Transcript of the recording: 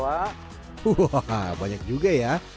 wah banyak juga ya